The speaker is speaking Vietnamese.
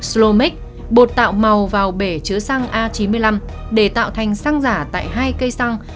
slomamic bột tạo màu vào bể chứa xăng a chín mươi năm để tạo thành xăng giả tại hai cây xăng